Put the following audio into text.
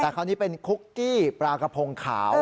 แต่คราวนี้เป็นคุกกี้ปลากระพงขาว